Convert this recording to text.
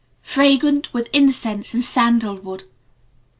Fragrant with Incense and Sandal Wood.